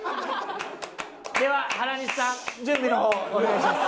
では原西さん準備の方をお願いします。